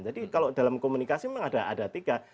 jadi kalau dalam komunikasi memang ada tiga